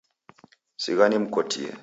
Sigha nimkotie.